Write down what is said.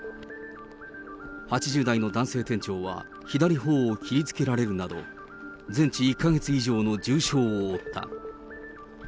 ８０代の男性店長は左ほおを切りつけられるなど、全治１か月以上の重傷を負った。